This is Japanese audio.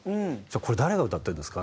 これ誰が歌ってるんですか？